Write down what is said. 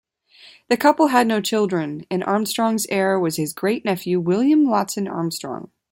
The couple had no children, and Armstrong's heir was his great-nephew William Watson-Armstrong.